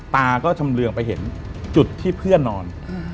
ตาก็ชำเรืองไปเห็นจุดที่เพื่อนนอน